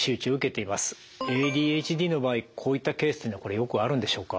ＡＤＨＤの場合こういったケースはよくあるんでしょうか？